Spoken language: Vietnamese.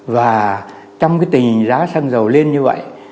và trong cái tình hình giá xăng dầu lên như vậy